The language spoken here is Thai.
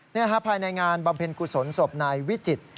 ภายในงานบำเพ็ญกุศลศพนายวิจิตร